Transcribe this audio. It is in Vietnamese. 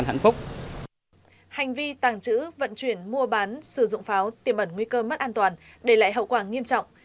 hành vi tàng trữ vận chuyển mua bán sử dụng pháo tiềm ẩn nguy cơ mất an toàn để lại hậu quả nghiêm trọng